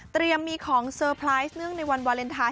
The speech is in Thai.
เตรียมมีของเซอร์ไพรส์เนื่องในวันวาเลนทราย